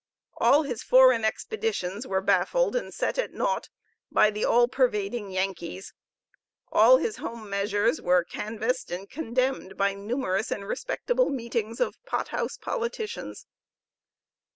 All his foreign expeditions were baffled and set at naught by the all pervading Yankees; all his home measures were canvassed and condemned by "numerous and respectable meetings" of pot house politicians.